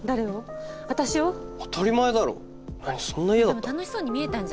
でも楽しそうに見えたんじゃない？